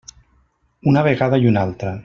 Una vegada i una altra.